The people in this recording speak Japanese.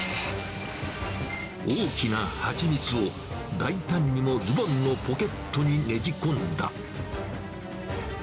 大きな蜂蜜を、大胆にもズボンのポケットにねじ込んだ。